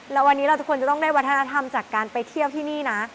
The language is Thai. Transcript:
แล้ววันนี้เราทุกคนจะต้องได้วัฒนธรรมจากการไปเที่ยวที่นี่นะ